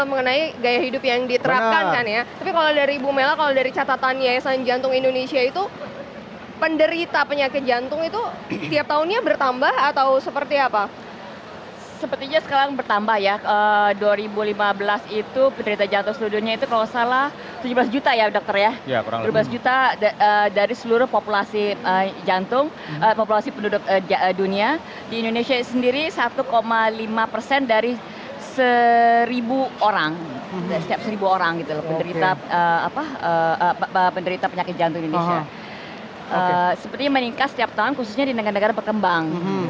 meningkat setiap tahun khususnya di negara negara berkembang